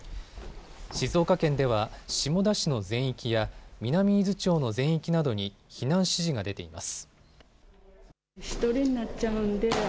静岡県では下田市の全域や南伊豆町の全域などに避難指示が出ています。